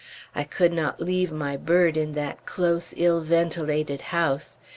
I could not leave my bird in that close, ill ventilated house.